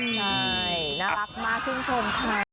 ใช่น่ารักมากชื่นชมค่ะ